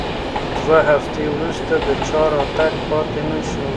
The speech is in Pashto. دوه هفتې وروسته د چا راتګ پاتې نه شو.